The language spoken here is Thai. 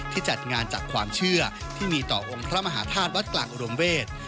จัดงานจากความเชื่อที่มีต่อองค์พระมหาธาตุวัดกลางอุดมเวศ